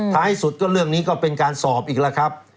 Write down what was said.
ท้ายสุดก็เรื่องนี้ก็เป็นการสอบอีกแล้วครับ